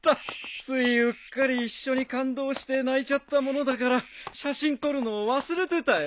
ついうっかり一緒に感動して泣いちゃったものだから写真撮るの忘れてたよ。